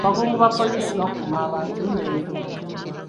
Abakungu ba poliisi bakuuma abantu n'ebintu byabwe.